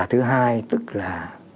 hai tức là